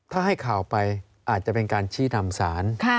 ถ้าให้ข่าวไปอาจจะเป็นการชี้นำสาร